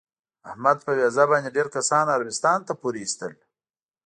احمد په ویزه باندې ډېر کسان عربستان ته پورې ایستل.